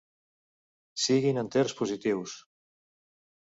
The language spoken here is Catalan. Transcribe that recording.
Siguin enters positius.